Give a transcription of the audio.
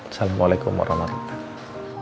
assalamualaikum warahmatullahi wabarakatuh